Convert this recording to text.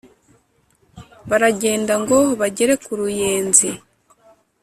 - baragenda ngo bagere ku ruyenzi